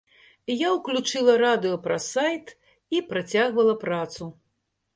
Я ўключыла радыё праз сайт і працягвала працу.